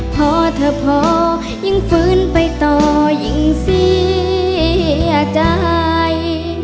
พอเธอพอยิ่งฟื้นไปต่อยิ่งเสียใจ